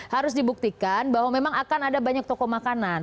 harus dibuktikan bahwa memang akan ada banyak toko makanan